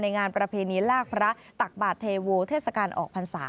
งานประเพณีลากพระตักบาทเทโวเทศกาลออกพรรษา